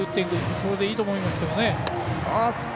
それでいいと思います。